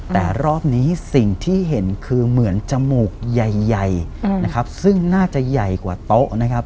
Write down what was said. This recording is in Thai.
แต่รอบนี้สิ่งที่เห็นคือเหมือนจมูกใหญ่นะครับซึ่งน่าจะใหญ่กว่าโต๊ะนะครับ